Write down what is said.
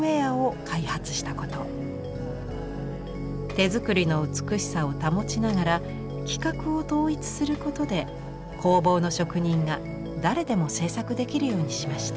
手作りの美しさを保ちながら規格を統一することで工房の職人が誰でも制作できるようにしました。